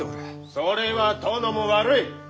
それは殿も悪い！